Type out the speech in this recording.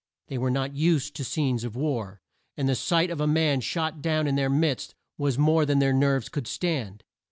They were not used to scenes of war, and the sight of a man shot down in their midst was more than their nerves could stand.